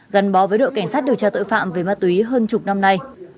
gắn bó với đội cảnh sát điều tra tội phạm về ma túy hơn chục năm nay